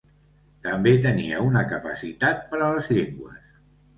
També tenia una capacitat per a les llengües.